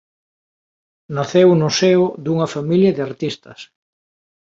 Naceu no seo dunha familia de artistas.